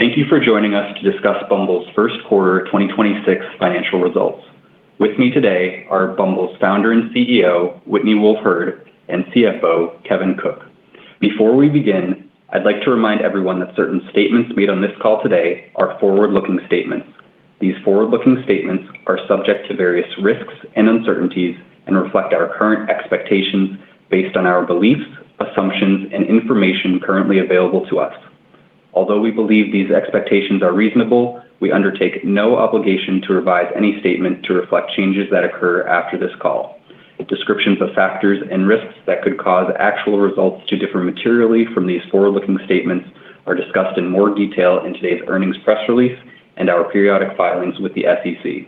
Thank you for joining us to discuss Bumble's first quarter 2026 financial results. With me today are Bumble's Founder and CEO, Whitney Wolfe Herd, and CFO, Kevin Cook. Before we begin, I'd like to remind everyone that certain statements made on this call today are forward-looking statements. These forward-looking statements are subject to various risks and uncertainties and reflect our current expectations based on our beliefs, assumptions, and information currently available to us. Although we believe these expectations are reasonable, we undertake no obligation to revise any statement to reflect changes that occur after this call. Descriptions of factors and risks that could cause actual results to differ materially from these forward-looking statements are discussed in more detail in today's earnings press release and our periodic filings with the SEC.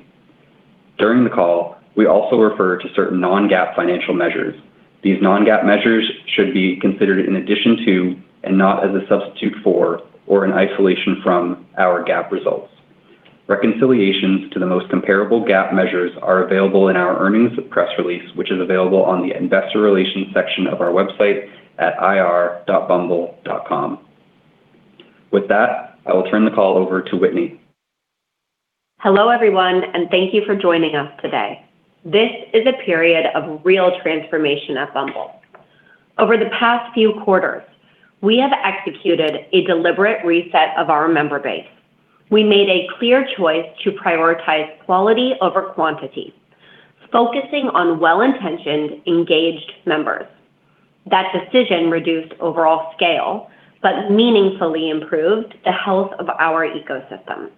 During the call, we also refer to certain non-GAAP financial measures. These non-GAAP measures should be considered in addition to and not as a substitute for or in isolation from our GAAP results. Reconciliations to the most comparable GAAP measures are available in our earnings press release, which is available on the investor relations section of our website at ir.bumble.com. With that, I will turn the call over to Whitney. Hello, everyone, and thank you for joining us today. This is a period of real transformation at Bumble. Over the past few quarters, we have executed a deliberate reset of our member base. We made a clear choice to prioritize quality over quantity, focusing on well-intentioned, engaged members. That decision reduced overall scale, but meaningfully improved the health of our ecosystem.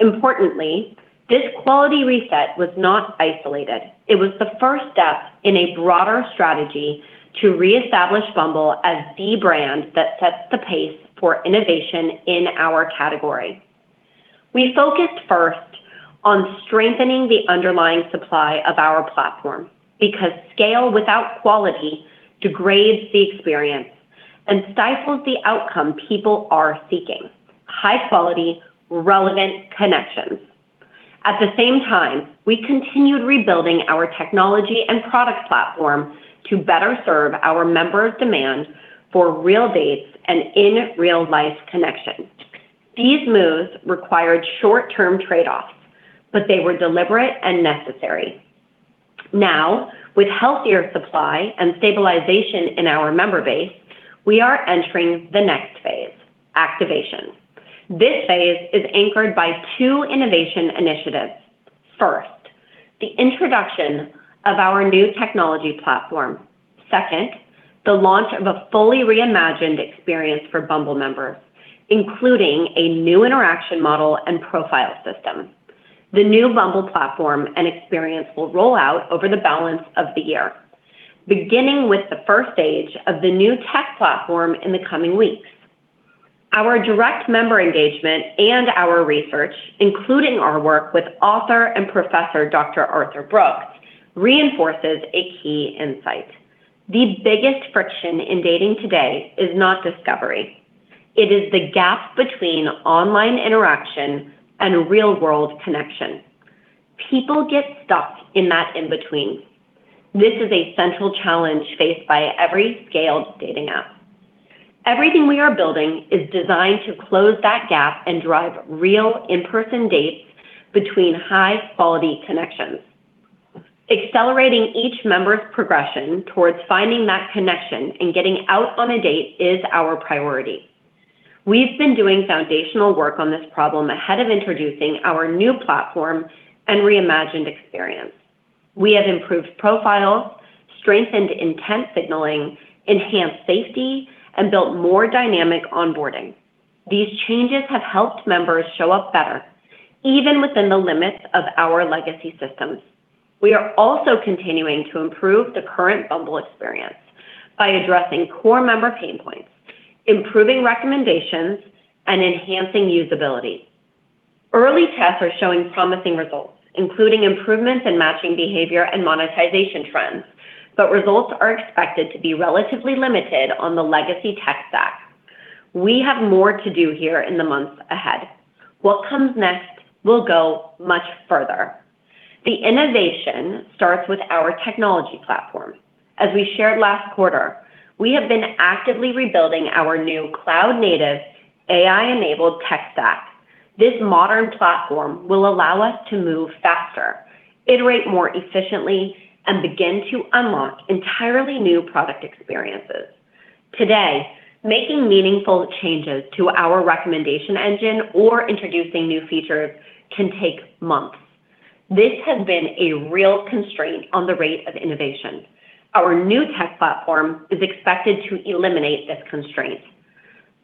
Importantly, this quality reset was not isolated. It was the first step in a broader strategy to reestablish Bumble as the brand that sets the pace for innovation in our category. We focused first on strengthening the underlying supply of our platform because scale without quality degrades the experience and stifles the outcome people are seeking: high-quality, relevant connections. At the same time, we continued rebuilding our technology and product platform to better serve our members' demand for real dates and in-real-life connections. These moves required short-term trade-offs, but they were deliberate and necessary. Now, with healthier supply and stabilization in our member base, we are entering the next phase, activation. This phase is anchored by two innovation initiatives. First, the introduction of our new technology platform. Second, the launch of a fully reimagined experience for Bumble members, including a new interaction model and profile system. The new Bumble platform and experience will roll out over the balance of the year, beginning with the first stage of the new tech platform in the coming weeks. Our direct member engagement and our research, including our work with author and professor Dr. Arthur Brooks, reinforces a key insight. The biggest friction in dating today is not discovery. It is the gap between online interaction and real-world connection. People get stuck in that in-between. This is a central challenge faced by every scaled dating app. Everything we are building is designed to close that gap and drive real in-person dates between high-quality connections. Accelerating each member's progression towards finding that connection and getting out on a date is our priority. We've been doing foundational work on this problem ahead of introducing our new platform and reimagined experience. We have improved profiles, strengthened intent signaling, enhanced safety, and built more dynamic onboarding. These changes have helped members show up better, even within the limits of our legacy systems. We are also continuing to improve the current Bumble experience by addressing core member pain points, improving recommendations, and enhancing usability. Early tests are showing promising results, including improvements in matching behavior and monetization trends, but results are expected to be relatively limited on the legacy tech stack. We have more to do here in the months ahead. What comes next will go much further. The innovation starts with our technology platform. As we shared last quarter, we have been actively rebuilding our new cloud-native, AI-enabled tech stack. This modern platform will allow us to move faster, iterate more efficiently, and begin to unlock entirely new product experiences. Today, making meaningful changes to our recommendation engine or introducing new features can take months. This has been a real constraint on the rate of innovation. Our new tech platform is expected to eliminate this constraint.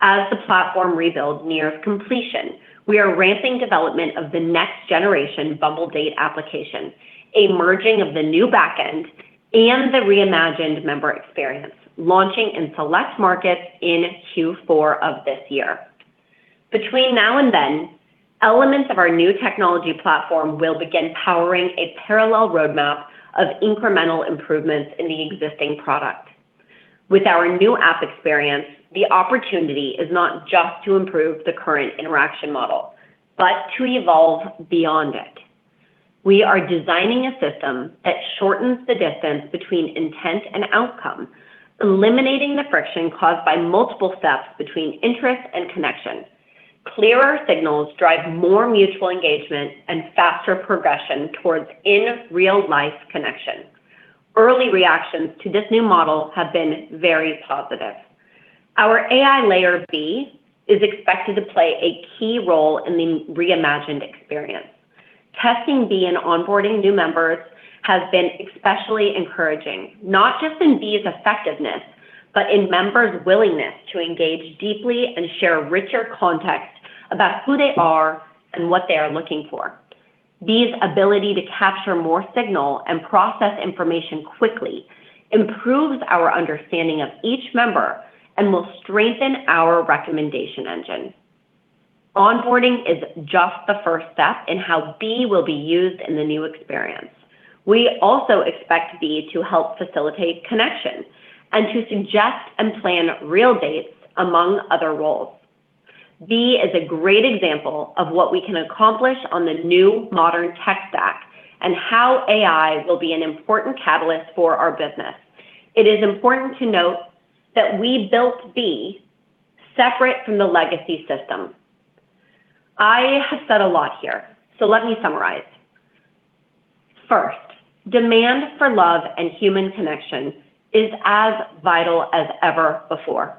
As the platform rebuild nears completion, we are ramping development of the next generation Bumble date application, a merging of the new back end and the reimagined member experience, launching in select markets in Q4 of this year. Between now and then, elements of our new technology platform will begin powering a parallel roadmap of incremental improvements in the existing product. With our new app experience, the opportunity is not just to improve the current interaction model, but to evolve beyond it. We are designing a system that shortens the distance between intent and outcome, eliminating the friction caused by multiple steps between interest and connection. Clearer signals drive more mutual engagement and faster progression towards in-real-life connection. Early reactions to this new model have been very positive. Our AI layer, Bee, is expected to play a key role in the re-imagined experience. Testing Bee and onboarding new members has been especially encouraging, not just in Bee's effectiveness, but in members' willingness to engage deeply and share richer context about who they are and what they are looking for. Bee's ability to capture more signal and process information quickly improves our understanding of each member and will strengthen our recommendation engine. Onboarding is just the first step in how Bee will be used in the new experience. We also expect Bee to help facilitate connection and to suggest and plan real dates among other roles. Bee is a great example of what we can accomplish on the new modern tech stack and how AI will be an important catalyst for our business. It is important to note that we built Bee separate from the legacy system. I have said a lot here, so let me summarize. First, demand for love and human connection is as vital as ever before.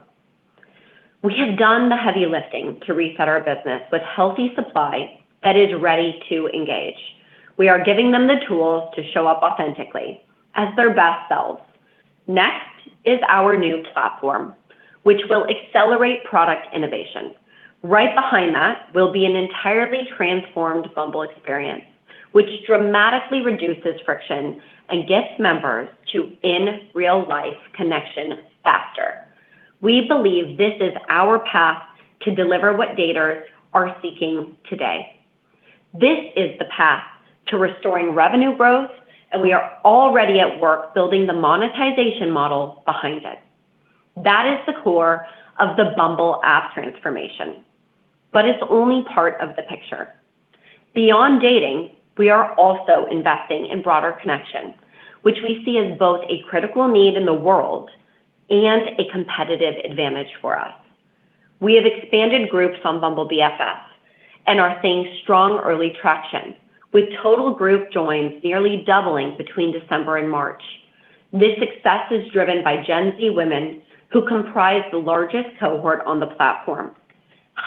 We have done the heavy lifting to reset our business with healthy supply that is ready to engage. We are giving them the tools to show up authentically as their best selves. Next is our new platform, which will accelerate product innovation. Right behind that will be an entirely transformed Bumble experience, which dramatically reduces friction and gets members to in-real-life connection faster. We believe this is our path to deliver what daters are seeking today. This is the path to restoring revenue growth. We are already at work building the monetization model behind it. That is the core of the Bumble app transformation. It's only part of the picture. Beyond dating, we are also investing in broader connection, which we see as both a critical need in the world and a competitive advantage for us. We have expanded groups on Bumble BFFs and are seeing strong early traction, with total group joins nearly doubling between December and March. This success is driven by Gen Z women who comprise the largest cohort on the platform,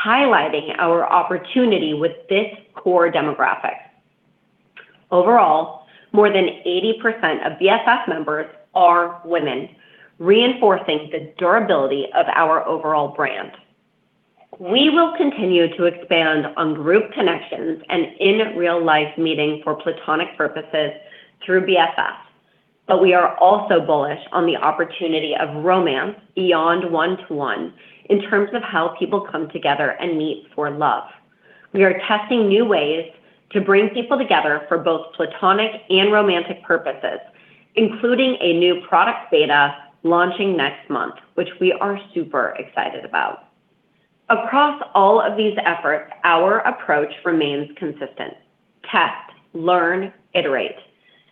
highlighting our opportunity with this core demographic. Overall, more than 80% of BFF members are women, reinforcing the durability of our overall brand. We will continue to expand on group connections and in-real-life meeting for platonic purposes through BFFs, but we are also bullish on the opportunity of romance beyond one to one in terms of how people come together and meet for love. We are testing new ways to bring people together for both platonic and romantic purposes, including a new product beta launching next month, which we are super excited about. Across all of these efforts, our approach remains consistent: test, learn, iterate,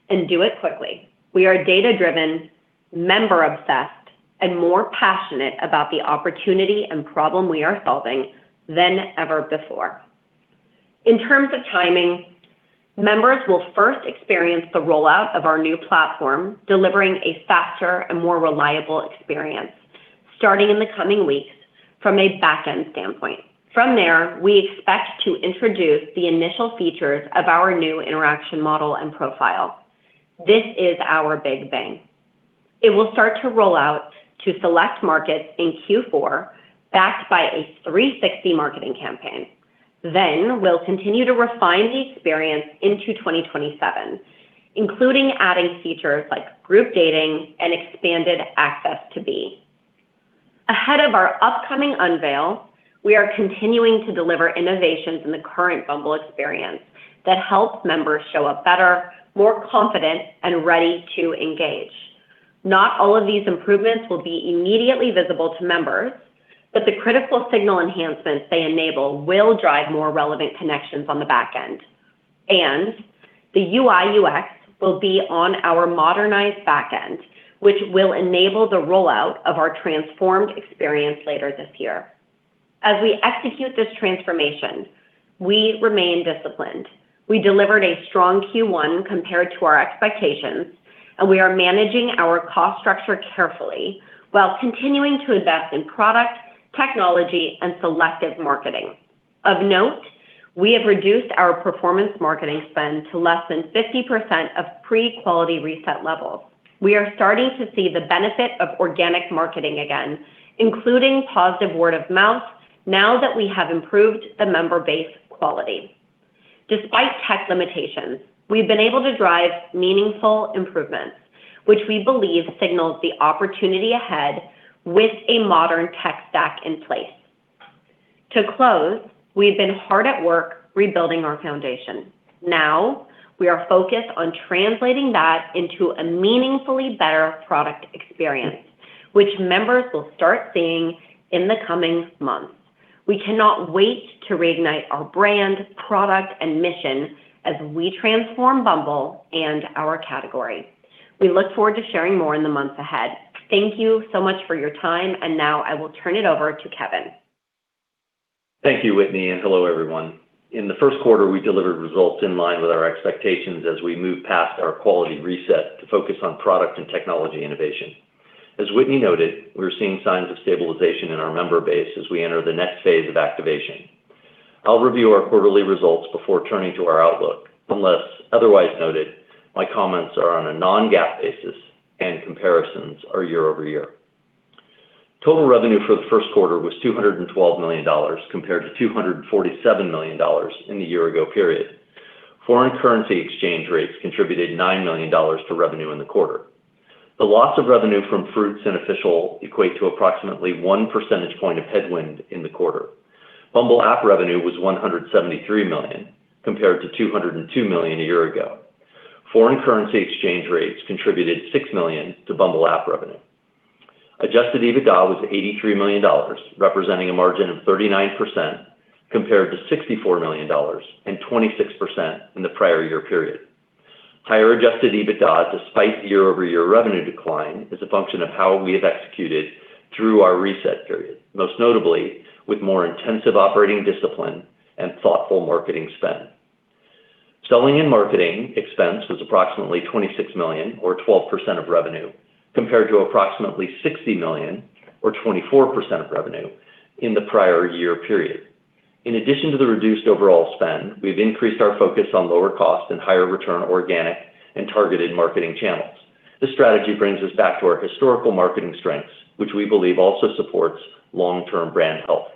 and do it quickly. We are data-driven, member-obsessed, and more passionate about the opportunity and problem we are solving than ever before. In terms of timing, members will first experience the rollout of our new platform, delivering a faster and more reliable experience starting in the coming weeks from a back-end standpoint. From there, we expect to introduce the initial features of our new interaction model and profile. This is our big bang. It will start to roll out to select markets in Q4, backed by a 360 marketing campaign. We'll continue to refine the experience into 2027, including adding features like group dating and expanded access to Bee. Ahead of our upcoming unveil, we are continuing to deliver innovations in the current Bumble experience that help members show up better, more confident, and ready to engage. Not all of these improvements will be immediately visible to members, but the critical signal enhancements they enable will drive more relevant connections on the back end. The UI/UX will be on our modernized back end, which will enable the rollout of our transformed experience later this year. As we execute this transformation, we remain disciplined. We delivered a strong Q1 compared to our expectations. We are managing our cost structure carefully while continuing to invest in product, technology, and selective marketing. Of note, we have reduced our performance marketing spend to less than 50% of pre-quality reset levels. We are starting to see the benefit of organic marketing again, including positive word of mouth now that we have improved the member base quality. Despite tech limitations, we've been able to drive meaningful improvements, which we believe signals the opportunity ahead with a modern tech stack in place. To close, we have been hard at work rebuilding our foundation. Now, we are focused on translating that into a meaningfully better product experience, which members will start seeing in the coming months. We cannot wait to reignite our brand, product, and mission as we transform Bumble and our category. We look forward to sharing more in the months ahead. Thank you so much for your time, and now I will turn it over to Kevin. Thank you, Whitney. Hello everyone. In the first quarter, we delivered results in line with our expectations as we move past our quality reset to focus on product and technology innovation. As Whitney noted, we're seeing signs of stabilization in our member base as we enter the next phase of activation. I'll review our quarterly results before turning to our outlook. Unless otherwise noted, my comments are on a non-GAAP basis and comparisons are year-over-year. Total revenue for the first quarter was $212 million, compared to $247 million in the year ago period. Foreign currency exchange rates contributed $9 million to revenue in the quarter. The loss of revenue from Fruitz and Official equate to approximately one percentage point of headwind in the quarter. Bumble app revenue was $173 million, compared to $202 million a year ago. Foreign currency exchange rates contributed $6 million to Bumble app revenue. Adjusted EBITDA was $83 million, representing a margin of 39% compared to $64 million and 26% in the prior year period. Higher Adjusted EBITDA, despite year-over-year revenue decline, is a function of how we have executed through our reset period, most notably with more intensive operating discipline and thoughtful marketing spend. Selling and marketing expense was approximately $26 million or 12% of revenue, compared to approximately $60 million or 24% of revenue in the prior year period. In addition to the reduced overall spend, we've increased our focus on lower cost and higher return organic and targeted marketing channels. This strategy brings us back to our historical marketing strengths, which we believe also supports long-term brand health.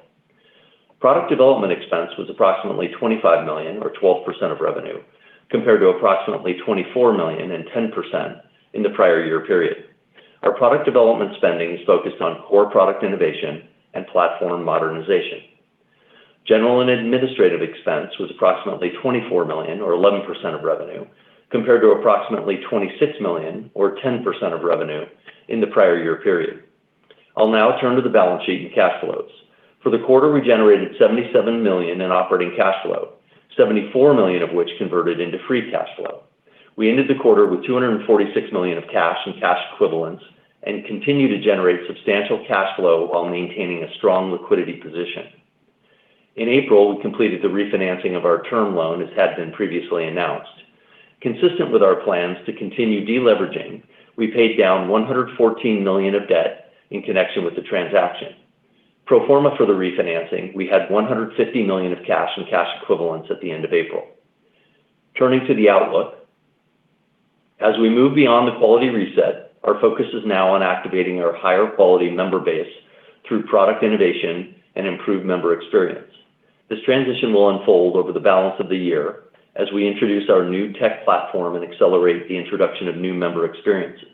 Product development expense was approximately $25 million or 12% of revenue, compared to approximately $24 million and 10% in the prior year period. Our product development spending is focused on core product innovation and platform modernization. General and administrative expense was approximately $24 million or 11% of revenue, compared to approximately $26 million or 10% of revenue in the prior year period. I'll now turn to the balance sheet and cash flows. For the quarter, we generated $77 million in operating cash flow, $74 million of which converted into free cash flow. We ended the quarter with $246 million of cash and cash equivalents and continue to generate substantial cash flow while maintaining a strong liquidity position. In April, we completed the refinancing of our term loan, as had been previously announced. Consistent with our plans to continue deleveraging, we paid down $114 million of debt in connection with the transaction. Pro forma for the refinancing, we had $150 million of cash and cash equivalents at the end of April. Turning to the outlook, as we move beyond the quality reset, our focus is now on activating our higher quality member base through product innovation and improved member experience. This transition will unfold over the balance of the year as we introduce our new tech platform and accelerate the introduction of new member experiences.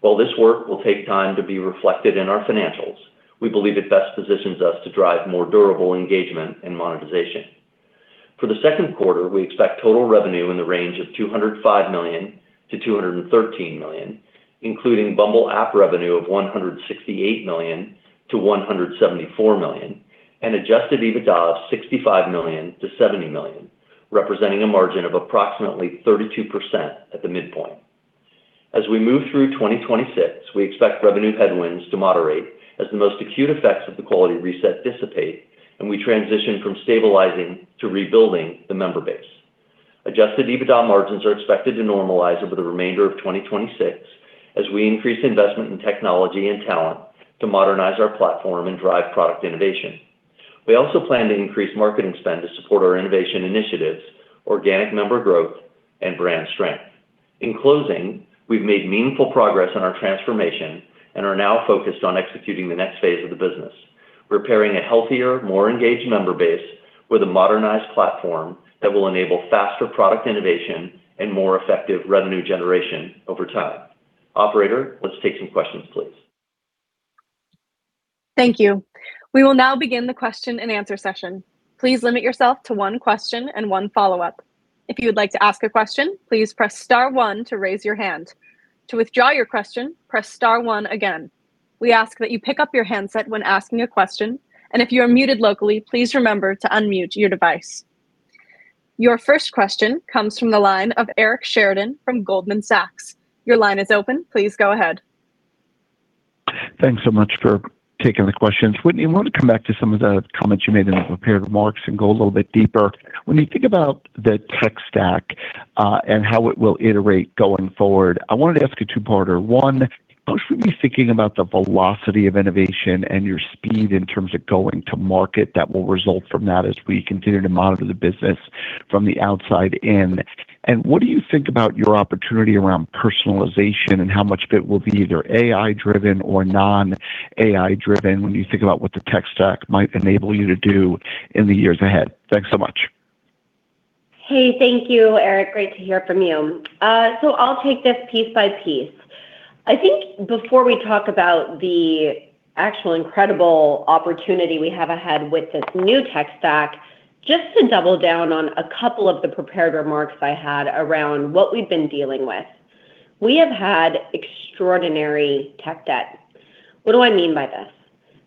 While this work will take time to be reflected in our financials, we believe it best positions us to drive more durable engagement and monetization. For the second quarter, we expect total revenue in the range of $205 million-$213 million, including Bumble app revenue of $168 million-$174 million, and Adjusted EBITDA of $65 million-$70 million, representing a margin of approximately 32% at the midpoint. As we move through 2026, we expect revenue headwinds to moderate as the most acute effects of the quality reset dissipate and we transition from stabilizing to rebuilding the member base. Adjusted EBITDA margins are expected to normalize over the remainder of 2026 as we increase investment in technology and talent to modernize our platform and drive product innovation. We also plan to increase marketing spend to support our innovation initiatives, organic member growth, and brand strength. In closing, we've made meaningful progress on our transformation and are now focused on executing the next phase of the business. We're pairing a healthier, more engaged member base with a modernized platform that will enable faster product innovation and more effective revenue generation over time. Operator, let's take some questions, please. Thank you. We will now begin the question and answer session. Please limit yourself to one question and one follow-up. If you would like to ask a question, please press star one to raise your hand. To withdraw your question, press star one again. We ask that you pick up your handset when asking a question, and if you are muted locally, please remember to unmute your device. Your first question comes from the line of Eric Sheridan from Goldman Sachs. Your line is open. Please go ahead. Thanks so much for taking the questions. Whitney, I want to come back to some of the comments you made in the prepared remarks and go a little bit deeper. When you think about the tech stack and how it will iterate going forward, I wanted to ask a two-parter. One, how should we be thinking about the velocity of innovation and your speed in terms of going to market that will result from that as we continue to monitor the business from the outside in? What do you think about your opportunity around personalization and how much of it will be either AI-driven or non-AI-driven when you think about what the tech stack might enable you to do in the years ahead? Thanks so much. Thank you, Eric. Great to hear from you. I'll take this piece by piece. I think before we talk about the actual incredible opportunity we have ahead with this new tech stack. Just to double down on a couple of the prepared remarks I had around what we've been dealing with. We have had extraordinary tech debt. What do I mean by this?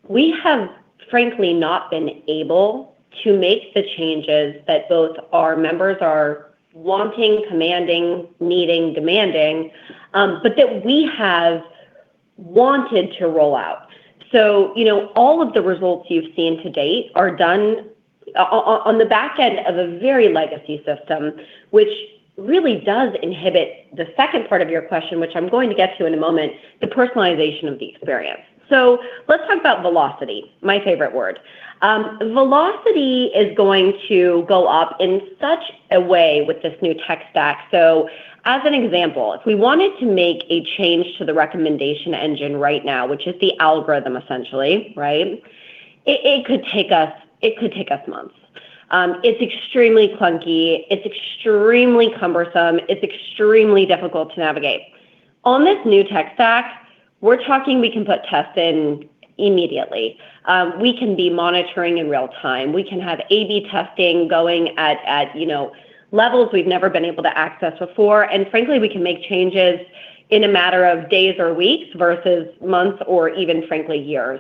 We have, frankly, not been able to make the changes that both our members are wanting, commanding, needing, demanding, but that we have wanted to roll out. You know, all of the results you've seen to date are done on the back end of a very legacy system, which really does inhibit the second part of your question, which I'm going to get to in a moment, the personalization of the experience. Let's talk about velocity, my favorite word. Velocity is going to go up in such a way with this new tech stack. As an example, if we wanted to make a change to the recommendation engine right now, which is the algorithm, essentially, right? It could take us months. It's extremely clunky, it's extremely cumbersome, it's extremely difficult to navigate. On this new tech stack, we're talking we can put tests in immediately. We can be monitoring in real time. We can have A/B testing going at, you know, levels we've never been able to access before. Frankly, we can make changes in a matter of days or weeks versus months or even frankly, years.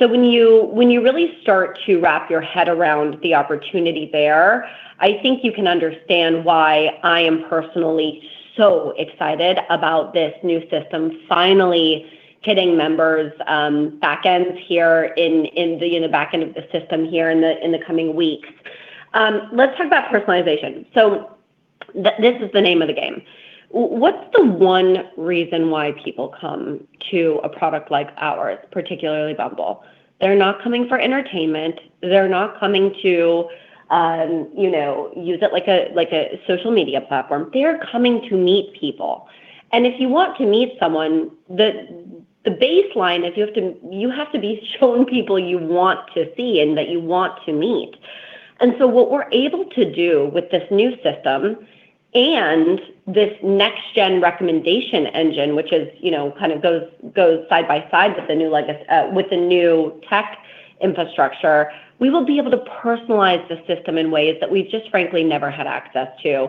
When you, when you really start to wrap your head around the opportunity there, I think you can understand why I am personally so excited about this new system finally hitting members, backends here in the, in the back end of the system here in the, in the coming weeks. Let's talk about personalization. This is the name of the game. What's the one reason why people come to a product like ours, particularly Bumble? They're not coming for entertainment. They're not coming to, you know, use it like a, like a social media platform. They're coming to meet people. If you want to meet someone, the baseline is you have to, you have to be shown people you want to see and that you want to meet. What we're able to do with this new system and this next gen recommendation engine, which is, you know, kind of goes side by side with the new tech infrastructure, we will be able to personalize the system in ways that we've just frankly never had access to.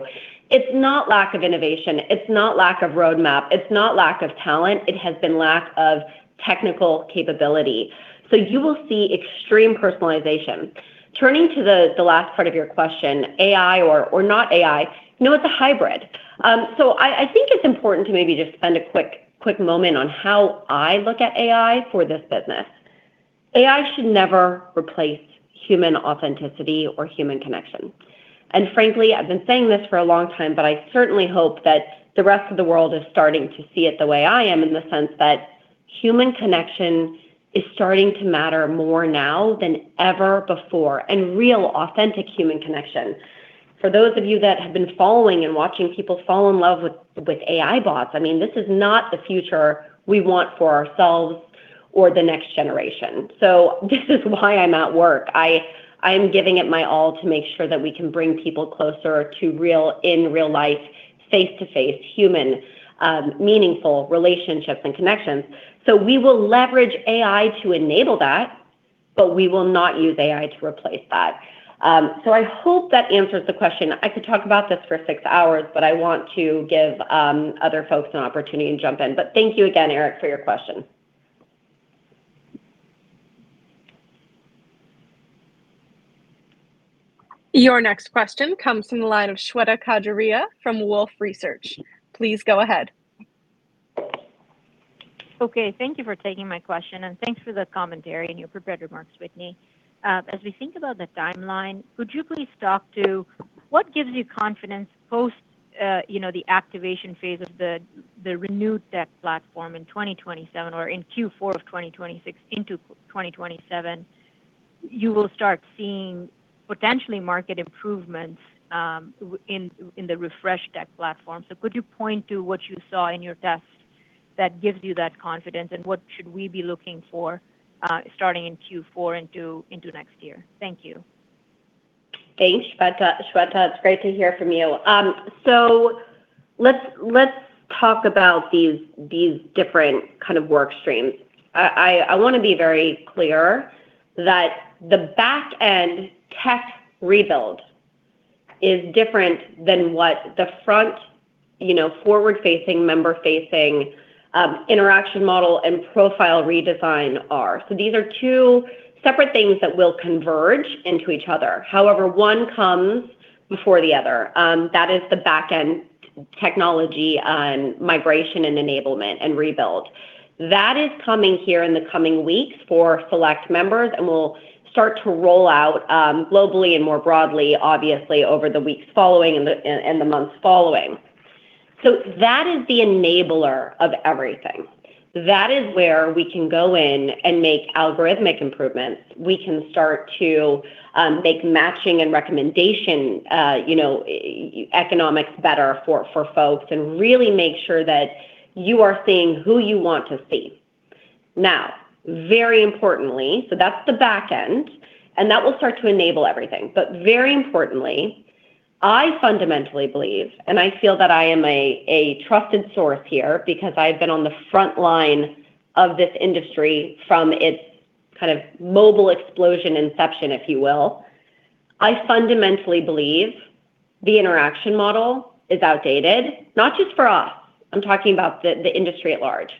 It's not lack of innovation, it's not lack of roadmap, it's not lack of talent. It has been lack of technical capability. You will see extreme personalization. Turning to the last part of your question, AI or not AI. No, it's a hybrid. I think it's important to maybe just spend a quick moment on how I look at AI for this business. AI should never replace human authenticity or human connection. Frankly, I've been saying this for a long time, but I certainly hope that the rest of the world is starting to see it the way I am in the sense that human connection is starting to matter more now than ever before, and real authentic human connection. For those of you that have been following and watching people fall in love with AI bots, I mean, this is not the future we want for ourselves or the next generation. This is why I'm at work. I'm giving it my all to make sure that we can bring people closer to real, in real life, face-to-face human, meaningful relationships and connections. We will leverage AI to enable that, but we will not use AI to replace that. I hope that answers the question. I could talk about this for six hours, but I want to give other folks an opportunity to jump in. Thank you again, Eric, for your question. Your next question comes from the line of Shweta Khajuria from Wolfe Research. Please go ahead. Okay. Thank you for taking my question, and thanks for the commentary and your prepared remarks, Whitney. As we think about the timeline, could you please talk to what gives you confidence post, you know, the activation phase of the renewed tech platform in 2027 or in Q4 of 2026 into 2027, you will start seeing potentially market improvements in the refresh tech platform. Could you point to what you saw in your tests that gives you that confidence, and what should we be looking for starting in Q4 into next year? Thank you. Thanks, Shweta. Shweta, it's great to hear from you. Let's talk about these different kind of work streams. I wanna be very clear that the back-end tech rebuild is different than what the front, you know, forward-facing, member-facing, interaction model and profile redesign are. These are two separate things that will converge into each other. However, one comes before the other. That is the back-end technology and migration and enablement and rebuild. That is coming here in the coming weeks for select members, and we'll start to roll out globally and more broadly, obviously, over the weeks following and the months following. That is the enabler of everything. That is where we can go in and make algorithmic improvements. We can start to make matching and recommendation, you know, e-economics better for folks and really make sure that you are seeing who you want to see. Very importantly, that's the back end, and that will start to enable everything. Very importantly, I fundamentally believe and I feel that I am a trusted source here because I've been on the front line of this industry from its kind of mobile explosion inception, if you will. I fundamentally believe the interaction model is outdated, not just for us, I'm talking about the industry at large.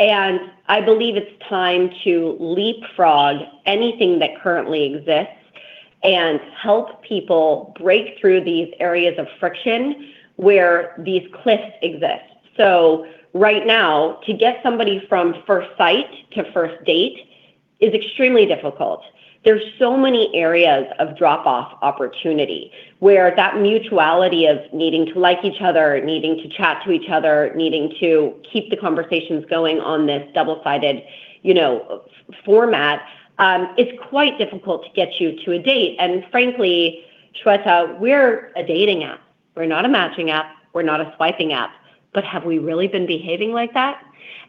I believe it's time to leapfrog anything that currently exists and help people break through these areas of friction where these cliffs exist. Right now, to get somebody from first sight to first date is extremely difficult. There's so many areas of drop-off opportunity where that mutuality of needing to like each other, needing to chat to each other, needing to keep the conversations going on this double-sided, you know, format, is quite difficult to get you to a date. Frankly, Shweta, we're a dating app. We're not a matching app, we're not a swiping app, but have we really been behaving like that?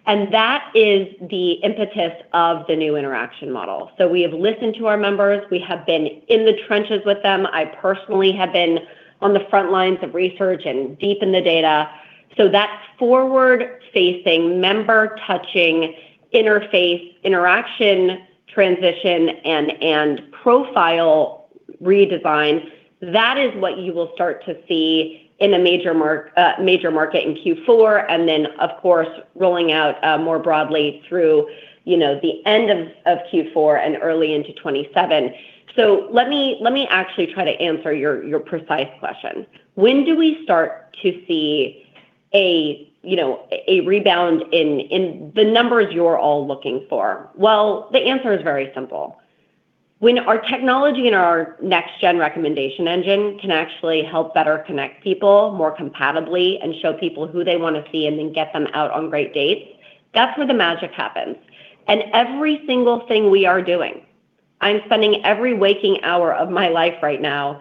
That is the impetus of the new interaction model. We have listened to our members. We have been in the trenches with them. I personally have been on the front lines of research and deep in the data. That forward-facing, member-touching interface, interaction, transition, and profile redesign, that is what you will start to see in a major market in Q4, and then of course, rolling out more broadly through, you know, the end of Q4 and early into 2027. Let me, let me actually try to answer your precise question. When do we start to see a rebound in the numbers you're all looking for? The answer is very simple. When our technology and our next gen recommendation engine can actually help better connect people more compatibly and show people who they wanna see and then get them out on great dates, that's where the magic happens. Every single thing we are doing, I'm spending every waking hour of my life right now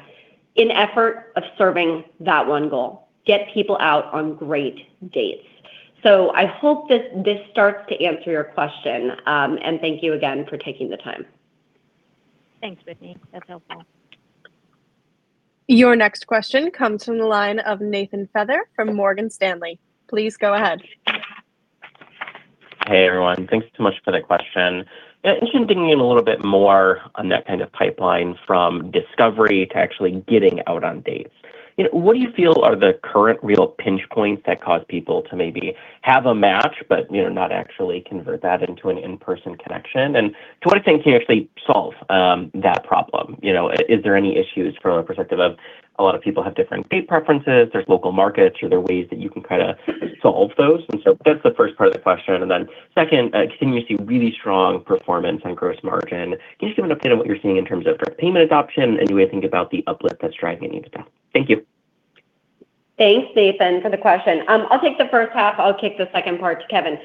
in effort of serving that one goal: get people out on great dates. I hope this starts to answer your question. Thank you again for taking the time. Thanks, Whitney. That's helpful. Your next question comes from the line of Nathan Feather from Morgan Stanley. Please go ahead. Hey, everyone. Thanks so much for the question. Yeah, interested in digging in a little bit more on that kind of pipeline from discovery to actually getting out on dates. What do you feel are the current real pinch points that cause people to maybe have a match, but, you know, not actually convert that into an in-person connection? What do you think can actually solve that problem? Is there any issues from a perspective of a lot of people have different date preferences, there's local markets, are there ways that you can kind of solve those? That's the first part of the question. Second, continuously really strong performance on gross margin. Can you just give an update on what you're seeing in terms of direct payment adoption? Do we think about the uplift that's driving any of that? Thank you. Thanks, Nathan, for the question. I'll take the first half. I'll kick the second part to Kevin.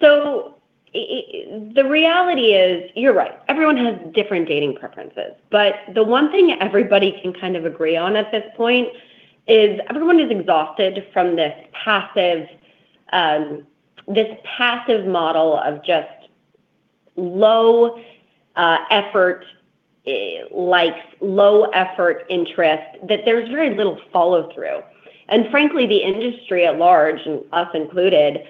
The reality is, you're right. Everyone has different dating preferences. The one thing everybody can kind of agree on at this point is everyone is exhausted from this passive, this passive model of just low, like, low effort interest, that there's very little follow-through. Frankly, the industry at large, and us included,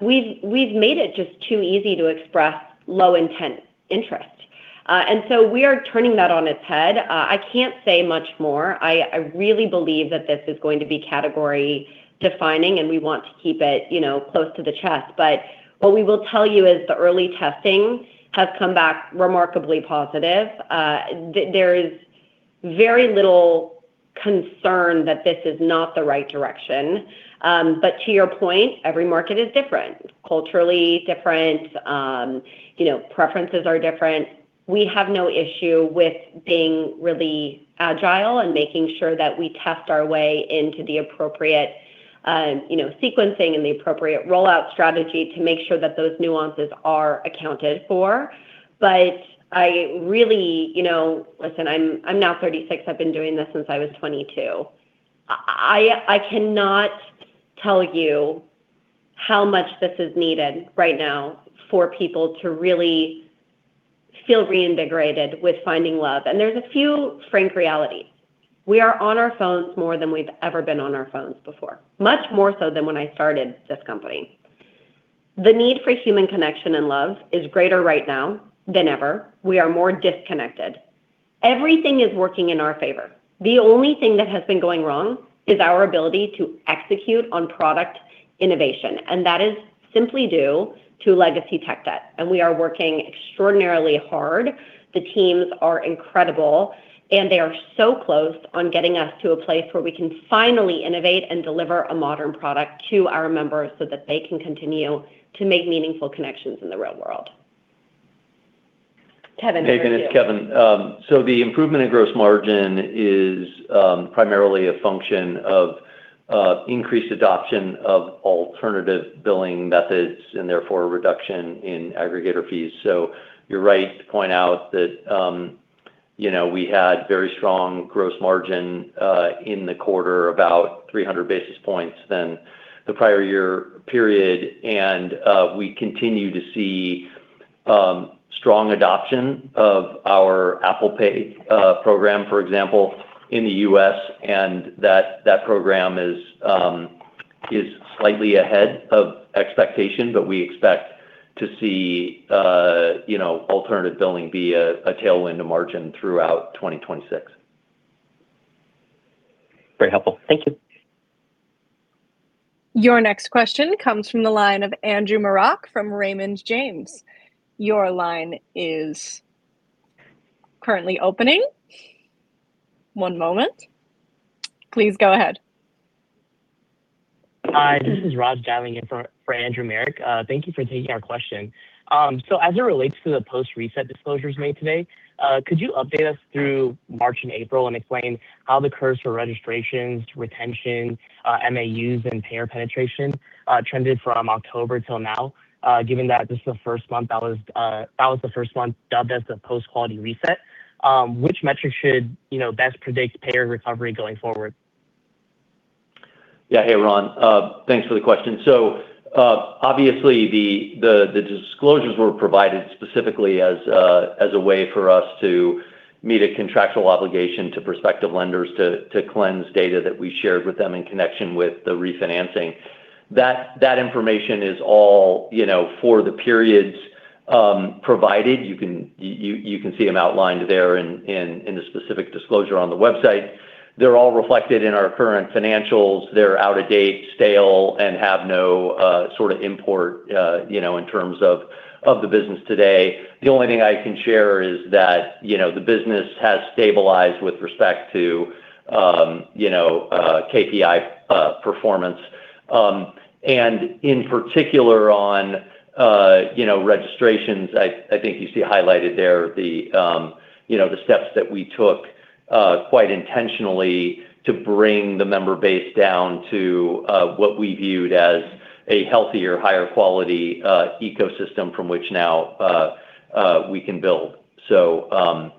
we've made it just too easy to express low intent interest. We are turning that on its head. I can't say much more. I really believe that this is going to be category defining, we want to keep it, you know, close to the chest. What we will tell you is the early testing has come back remarkably positive. There is very little concern that this is not the right direction. To your point, every market is different, culturally different, you know, preferences are different. We have no issue with being really agile and making sure that we test our way into the appropriate, you know, sequencing and the appropriate rollout strategy to make sure that those nuances are accounted for. I really, you know, listen, I'm now 36. I've been doing this since I was 22. I cannot tell you how much this is needed right now for people to really feel reinvigorated with finding love. There's a few frank realities. We are on our phones more than we've ever been on our phones before, much more so than when I started this company. The need for human connection and love is greater right now than ever. We are more disconnected. Everything is working in our favor. The only thing that has been going wrong is our ability to execute on product innovation, that is simply due to legacy tech debt. We are working extraordinarily hard. The teams are incredible, and they are so close on getting us to a place where we can finally innovate and deliver a modern product to our members so that they can continue to make meaningful connections in the real world. Kevin, over to you. Nathan, it's Kevin. The improvement in gross margin is primarily a function of increased adoption of alternative billing methods, and therefore reduction in aggregator fees. You're right to point out that, you know, we had very strong gross margin in the quarter, about 300 basis points than the prior year period, and we continue to see strong adoption of our Apple Pay program, for example, in the U.S., and that program is slightly ahead of expectation. We expect to see, you know, alternative billing be a tailwind to margin throughout 2026. Very helpful. Thank you. Your next question comes from the line of Andrew Marok from Raymond James. Hi, this is Ron dialing in for Andrew Marok. Thank you for taking our question. As it relates to the post-reset disclosures made today, could you update us through March and April and explain how the curves for registrations, retention, MAUs and payer penetration, trended from October till now, given that this was the first month dubbed as the post-quality reset? Which metric should, you know, best predict payer recovery going forward? Hey, Ron. Thanks for the question. Obviously the disclosures were provided specifically as a way for us to meet a contractual obligation to prospective lenders to cleanse data that we shared with them in connection with the refinancing. That information is all, you know, for the periods provided. You can see them outlined there in the specific disclosure on the website. They're all reflected in our current financials. They're out of date, stale, and have no sort of import, you know, in terms of the business today. The only thing I can share is that, you know, the business has stabilized with respect to, you know, KPI performance. In particular on, you know, registrations, I think you see highlighted there the, you know, the steps that we took quite intentionally to bring the member base down to what we viewed as a healthier, higher quality ecosystem from which now we can build. That's all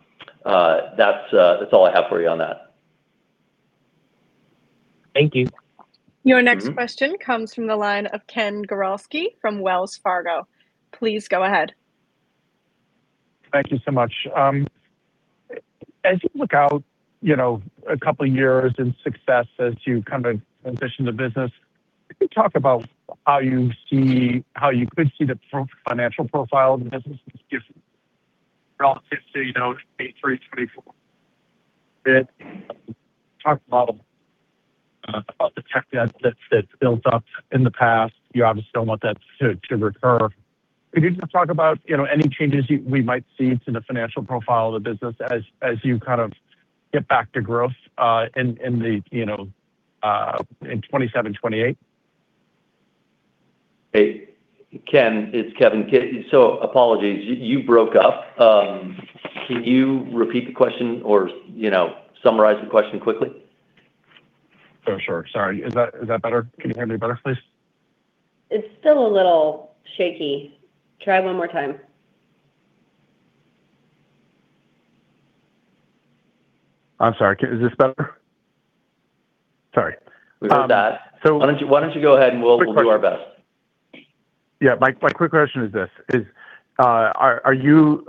I have for you on that. Thank you. Your next question comes from the line of Ken Gawrelski from Wells Fargo. Please go ahead. Thank you so much. As you look out, you know, a couple years in success as you kind of transition the business, could you talk about how you could see the financial profile of the business is different relative to, you know, 2023, 2024? Talk about the tech debt that's built up in the past. You obviously don't want that to recur. Could you just talk about, you know, any changes we might see to the financial profile of the business as you kind of get back to growth in the, you know, in 2027, 2028? Hey, Ken. It's Kevin. Apologies, you broke up. Can you repeat the question or, you know, summarize the question quickly? Oh, sure. Sorry. Is that better? Can you hear me better, please? It's still a little shaky. Try one more time. I'm sorry. Is this better? Sorry. We heard that. Um, so- Why don't you go ahead and we'll do our best. Quick question. My quick question is this: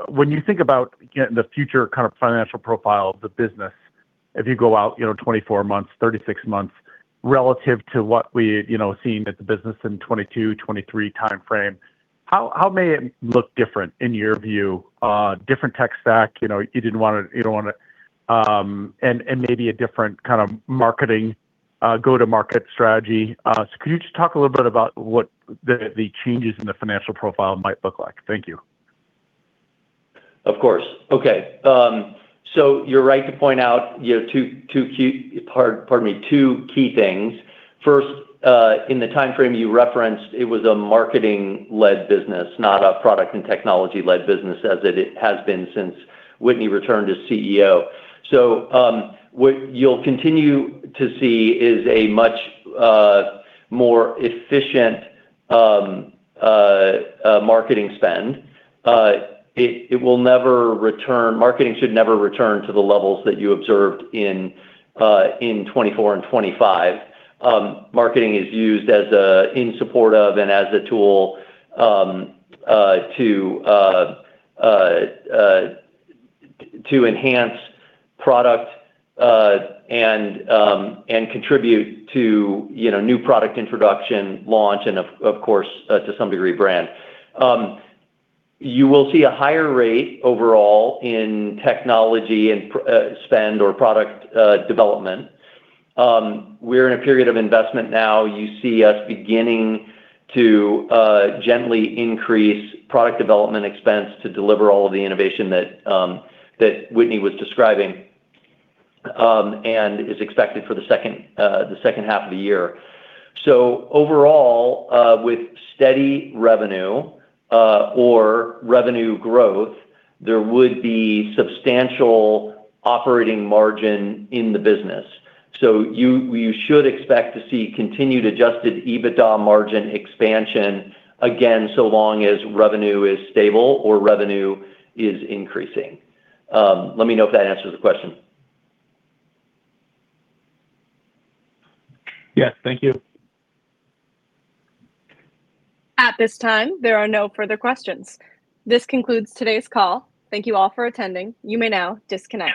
When you think about, you know, the future kind of financial profile of the business, if you go out, you know, 24 months, 36 months, relative to what we, you know, seen at the business in 2022, 2023 timeframe, how may it look different in your view? Different tech stack, you know, and maybe a different kind of marketing go-to-market strategy. Could you just talk a little bit about what the changes in the financial profile might look like? Thank you. Of course. Okay. You're right to point out, you know, two key things. First, in the timeframe you referenced, it was a marketing-led business, not a product and technology-led business as it has been since Whitney returned as CEO. What you'll continue to see is a much more efficient marketing spend. Marketing should never return to the levels that you observed in 2024 and 2025. Marketing is used as a, in support of and as a tool to enhance product and contribute to, you know, new product introduction, launch and of course, to some degree brand. You will see a higher rate overall in technology and spend or product development. We're in a period of investment now. You see us beginning to gently increase product development expense to deliver all of the innovation that Whitney was describing and is expected for the second half of the year. Overall, with steady revenue, or revenue growth, there would be substantial operating margin in the business. You should expect to see continued Adjusted EBITDA margin expansion again, so long as revenue is stable or revenue is increasing. Let me know if that answers the question. Yes. Thank you. At this time, there are no further questions. This concludes today's call. Thank you all for attending. You may now disconnect.